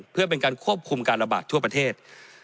เพื่อเป็นการควบคุมการระบาดทั่วประเทศ